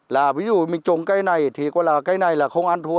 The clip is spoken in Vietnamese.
là ví dụ mình trồng cây này thì coi là cây này là không ăn thua